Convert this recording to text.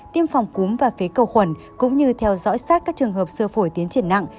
tiêm phòng cúm và phế cầu khuẩn cũng như theo dõi sát các trường hợp sơ phổi tiến triển nặng